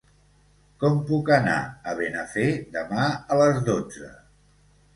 Com puc anar a Benafer demà a les dotze?